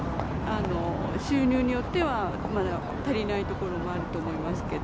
収入によっては、まだ足りないところもあると思いますけど。